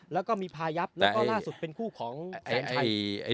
แล้วก็มีพายับและล่าสุดคู่ของแห่งไสต์